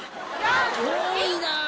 遠いなあ！